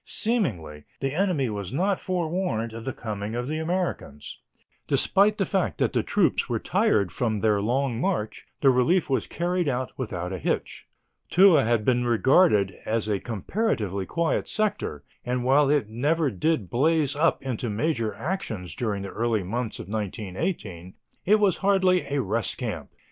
Seemingly, the enemy was not forewarned of the coming of the Americans. Despite the fact that the troops were tired from their long march, the relief was carried out without a hitch. Toul had been regarded as a comparatively quiet sector, and, while it never did blaze up into major actions during the early months of 1918, it was hardly a rest camp.